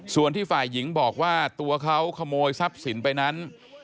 ส่วนที่ฝ่ายหญิงบอกว่าตัวเขาขโมยทรัพย์สินไปนั้น